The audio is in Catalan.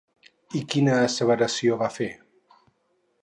I quina asseveració va fer?